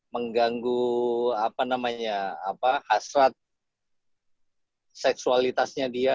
mengganggu hasrat seksualitasnya dia